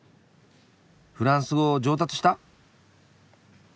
フランス語上達した？